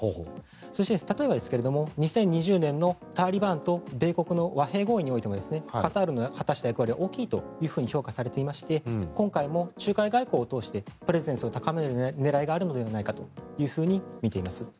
そして、例えば２０２０年のタリバンと米国の和平合意においてもカタールの果たした役割は大きいと評価されていまして今回も仲介外交を通してプレゼンスを高める狙いがあるのではとみています。